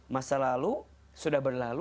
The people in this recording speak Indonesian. masa lalu sudah berlalu